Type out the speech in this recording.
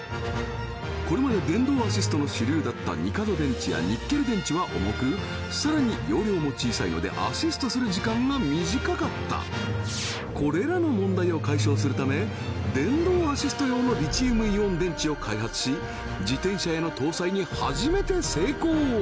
これまで電動アシストの主流だったニカド電池やニッケル電池は重くさらに容量も小さいのでアシストする時間が短かったこれらの問題を解消するため電動アシスト用のリチウムイオン電池を開発し自転車への搭載に初めて成功